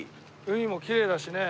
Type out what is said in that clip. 海もきれいだしね。